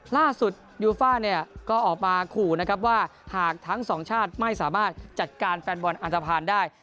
ยูฟ่าเนี่ยก็ออกมาขู่นะครับว่าหากทั้งสองชาติไม่สามารถจัดการแฟนบอลอันตภัณฑ์ได้